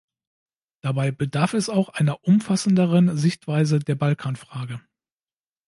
Dabei bedarf es auch einer umfassenderen Sichtweise der Balkanfrage.